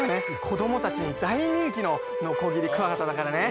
子どもたちに大人気のノコギリクワガタだからね。